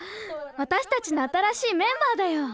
わたしたちの新しいメンバーだよ。